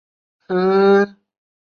并且依托城市开展配套改革。